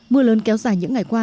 mưa lớn kéo dài những ngày qua